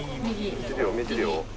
見えてるよ、見えてるよ。